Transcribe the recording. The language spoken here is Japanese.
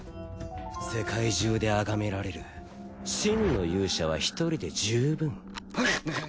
世界中で崇められる真の勇者は１人で十分。